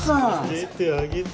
出てあげて。